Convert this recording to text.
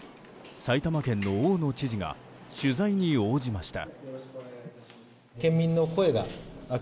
埼玉県の大野知事が取材に応じました。